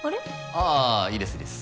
あぁいいですいいです。